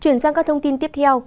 chuyển sang các thông tin tiếp theo